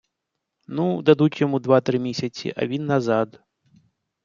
- Ну, дадуть йому два-три місяці, а він назад...